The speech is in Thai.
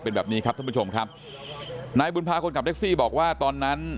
เป็นแบบนี้ครับท่านผู้ชมครับนายบุญพาคนขับแท็กซี่บอกว่าตอนนั้น